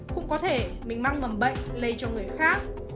cũng có thể mình mang mầm bệnh lây cho người khác